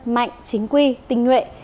mạnh chính quy tinh nguyện